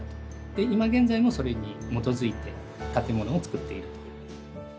で今現在もそれに基づいて建物を造っていると。